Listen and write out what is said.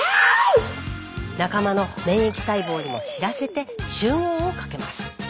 仲間の免疫細胞にも知らせて集合をかけます。